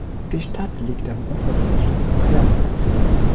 Die Stadt liegt am Ufer des Flusses Clarence.